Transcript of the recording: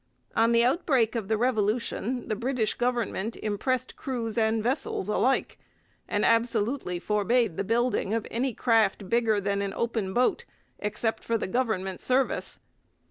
On the outbreak of the Revolution the British government impressed crews and vessels alike, and absolutely forbade the building of any craft bigger than an open boat except for the government service.